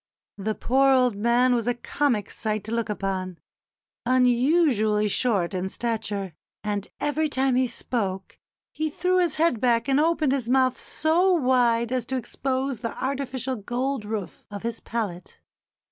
The poor old man was a comic sight to look upon unusually short in stature; and every time he spoke he threw his head back and opened his mouth so wide as to expose the artificial gold roof of his palate.